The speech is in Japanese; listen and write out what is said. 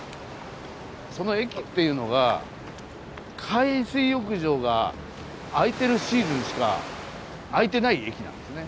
その駅っていうのが海水浴場が開いてるシーズンしか開いてない駅なんですね。